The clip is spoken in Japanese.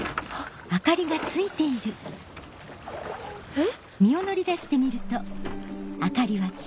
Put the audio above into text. えっ！